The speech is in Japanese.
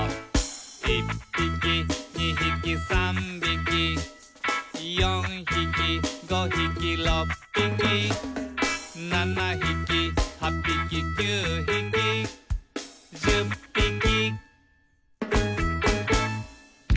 「１ぴき２ひき３びき」「４ひき５ひき６ぴき」「７ひき８ぴき９ひき」「１０ぴき」